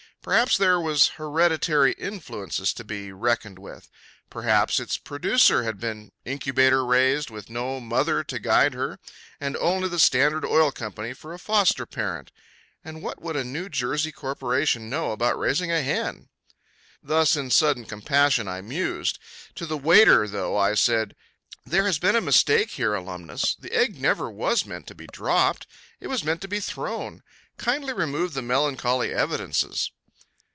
Perhaps there was hereditary influences to be reckoned with. Perhaps its producer had been incubator raised, with no mother to guide her and only the Standard Oil Company for a foster parent. And what would a New Jersey corporation know about raising a hen? Thus in sudden compassion I mused. To the waiter, though, I said: "There has been a mistake here, alumnus. This egg never was meant to be dropped it was meant to be thrown. Kindly remove the melancholy evidences."